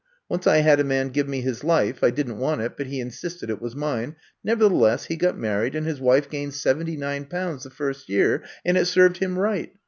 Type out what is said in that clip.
Once I had a man give me his life. I didn't want it, but be insisted it was mine. Nevertheless, he got married, and his wife gained seventy nine pounds the first year — and it served him right.